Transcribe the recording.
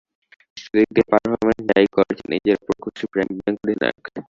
সেদিক দিয়ে পারফরম্যান্স যা-ই করেছেন, নিজের ওপর খুশি প্রাইম ব্যাংক অধিনায়ক।